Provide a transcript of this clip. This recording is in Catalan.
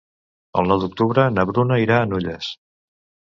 El nou d'octubre na Bruna irà a Nulles.